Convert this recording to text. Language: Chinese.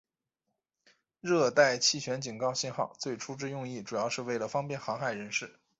热带气旋警告信号最初之用意主要是为了方便航海人士。